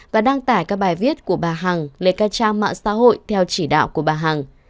và đăng tải các bài viết của bà hằng lên các trang mạng xã hội theo chỉ đạo của bà hằng